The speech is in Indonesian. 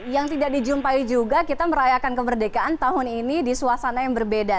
yang tidak dijumpai juga kita merayakan kemerdekaan tahun ini di suasana yang berbeda